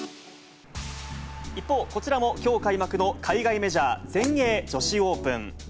一方、こちらもきょう開幕の海外メジャー全英女子オープン。